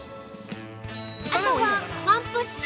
あとは、ワンプッシュ。